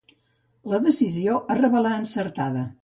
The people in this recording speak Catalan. La decisió es revelà encertada.